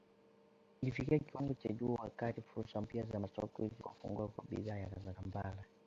llifikia kiwango cha juu wakati fursa mpya za masoko zilipofunguka kwa bidhaa za Kampala